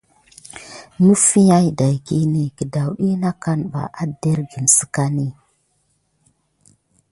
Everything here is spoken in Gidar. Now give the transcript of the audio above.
Məffia daki angani aserki sikani.